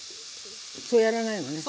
そうやらないのね。